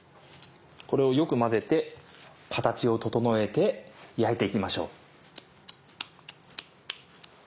これをよく混ぜて形を整えて焼いていきましょう。